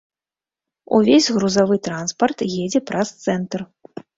Увесь грузавы транспарт едзе праз цэнтр!